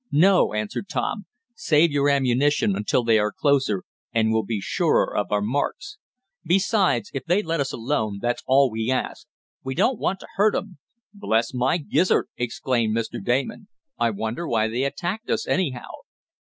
"No," answered Tom. "Save your ammunition until they are closer, and we'll be surer of our marks. Besides, if they let us alone that's all we ask. We don't want to hurt 'em." "Bless my gizzard!" exclaimed Mr. Damon. "I wonder why they attacked us, anyhow?"